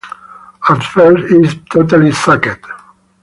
At first it totally sucked.